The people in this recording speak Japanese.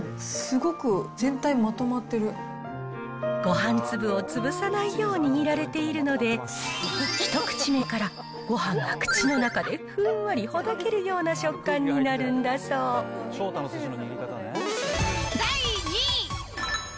ごはん粒を潰さないように握られているので、一口目からごはんが口の中でふんわりほどけるような食感になるん第２位。